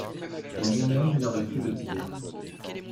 Lui-même n’aurait pu le dire.